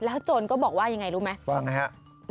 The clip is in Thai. แล้วโจรก็บอกว่ายังไงรู้ไหม